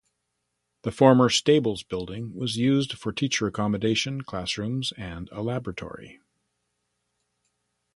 The former stables building was used for teacher accommodation, classrooms and a laboratory.